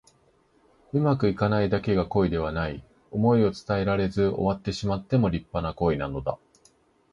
うまくいかないだけが恋ではない。想いを伝えられず終わってしまっても立派な恋なのだ。